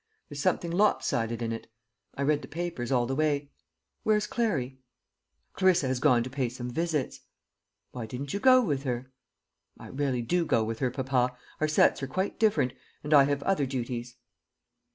There's something lop sided in it. I read the papers all the way. Where's Clarry?" "Clarissa has gone to pay some visits." "Why didn't you go with her?" "I rarely do go with her, papa. Our sets are quite different; and I have other duties."